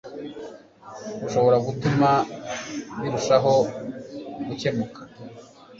ushobora gutuma birushaho gukemuka